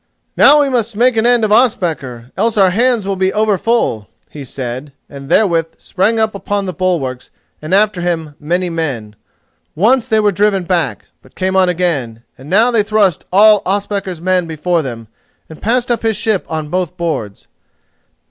"Now we must make an end of Ospakar, else our hands will be overfull," he said, and therewith sprang up upon the bulwarks and after him many men. Once they were driven back, but came on again, and now they thrust all Ospakar's men before them and passed up his ship on both boards.